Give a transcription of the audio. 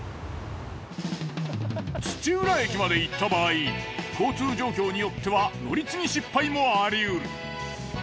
土浦駅まで行った場合交通状況によっては乗り継ぎ失敗もありうる。